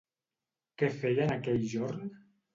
Què feien aquell jorn?